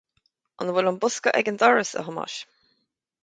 An bhfuil an bosca ag an doras, a Thomáis